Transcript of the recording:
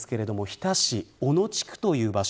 日田市小野地区という場所。